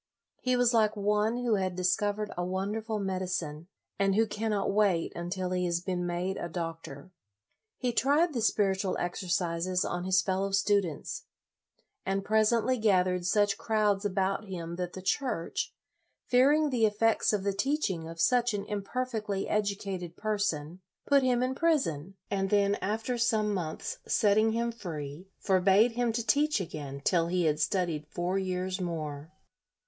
He was like one who had discovered a wonderful medicine, and who cannot wait until he has been made a doctor. He tried the spiritual exercises on his fellow stu LOYOLA 63 dents, and presently gathered such crowds about him that the Church, fearing the effects of the teaching of such an imper fectly educated person, put him in prison, and then, after some months, setting him free, forbade him to teach again till he had studied four years more.